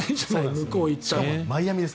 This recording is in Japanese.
向こうに行ったら。